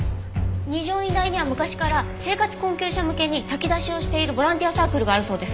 二条院大には昔から生活困窮者向けに炊き出しをしているボランティアサークルがあるそうです。